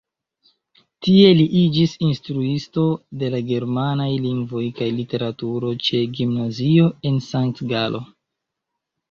Tie li iĝis instruisto de la germanaj lingvo kaj literaturo ĉe gimnazio en Sankt-Galo.